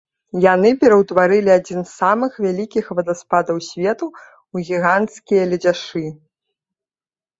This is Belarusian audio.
Яны пераўтварылі адзін з самых вялікіх вадаспадаў свету ў гіганцкія ледзяшы.